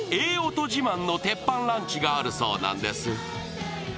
音自慢の鉄板ランチがあるそうなんです。